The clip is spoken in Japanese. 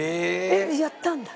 やったんだ？